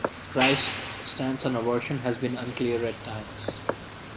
Crist's stance on abortion has been unclear at times.